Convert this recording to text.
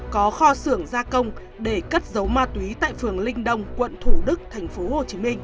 có kho xưởng gia công để cất giấu ma túy tại phường linh đông quận thủ đức thành phố